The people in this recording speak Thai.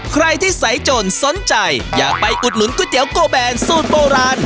ใครที่ใสจนสนใจอยากไปอุดหนุนก๋วยเตี๋ยโกแบนสูตรโบราณ